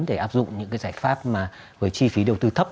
để áp dụng những giải pháp với chi phí đầu tư thấp